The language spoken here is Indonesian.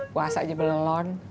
kuasa aja belon